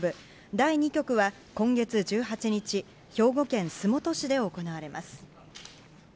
第２局は今月１８日兵庫県洲本市で行われます。